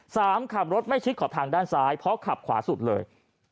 ขับรถไม่ชิดขอบทางด้านซ้ายเพราะขับขวาสุดเลย